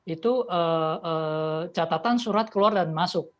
itu catatan surat keluar dan masuk